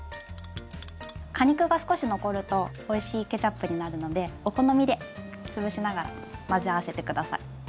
果肉が少し残るとおいしいケチャップになるのでお好みで潰しながら混ぜ合わせて下さい。